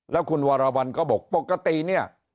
แล้วคุณวรวรรณก็บอกปกติเนี่ย